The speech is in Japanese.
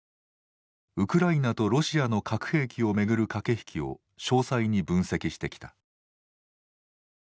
ウクライナとロシアの核兵器をめぐる駆け引きを詳細に分析してきた。